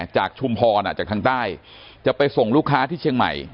ชุมพรจากทางใต้จะไปส่งลูกค้าที่เชียงใหม่